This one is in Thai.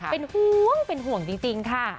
เป็นห่วงเป็นห่วงจริงค่ะ